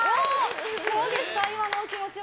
どうですか、今のお気持ちは。